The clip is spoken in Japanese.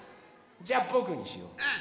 じゃあぼくにしよう。